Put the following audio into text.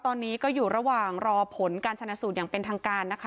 ตอนนี้ก็อยู่ระหว่างรอผลการชนะสูตรอย่างเป็นทางการนะคะ